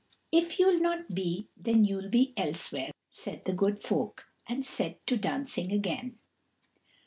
"If you'll not be, then you'll be elsewhere," said the Good Folk, and set to dancing again.